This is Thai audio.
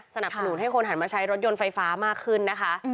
สนับสนุนให้คนหันมาใช้รถยนต์ไฟฟ้ามากขึ้นนะคะ